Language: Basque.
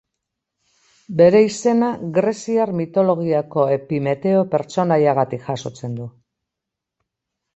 Bere izena greziar mitologiako Epimeteo pertsonaiagatik jasotzen du.